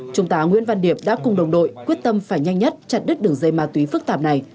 trung tá nguyễn văn điệp đã cùng đồng đội quyết tâm phải nhanh nhất chặt đứt đường dây ma túy phức tạp này